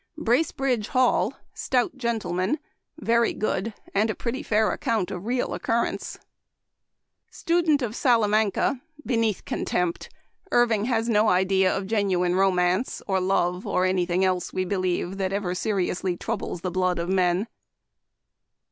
" Bracebridge Hall. — Stout Gentlemen, very good, and a pretty fair account of real occur Memoir of Washington Irving. 145 rence.* Student of Salamanca, beneath con tempt. Irving has no idea of genuine romance, or love, or any thing else, we believe, that ever seriously troubles the blood of men.